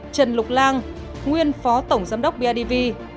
trần lục lan nguyên phó tổng giám đốc bidv